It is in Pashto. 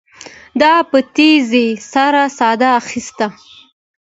ده په تيزۍ سره ساه اخيسته.